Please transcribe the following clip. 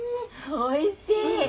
おいしい。